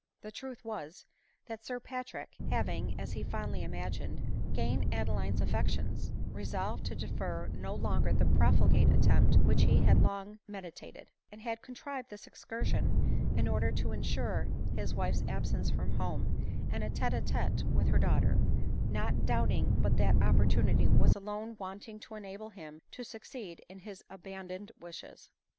• The truth was, that Sir Patrick, having, as he fondly imagined, gained Adeline's affections, resolved to defer no longer die profligate attempt which he had long medi tated ; and had contrived this excursion in order to insure his wife's absence from home, and a tete a tete with her daughter — not doubting but that opportunity was alone wanting to enable him to succeed in his abandoned wishes.